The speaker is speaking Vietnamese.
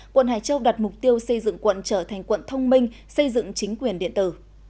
quận hải châu đặt mục tiêu xây dựng quận trở thành quận thông minh xây dựng chính quyền điện tử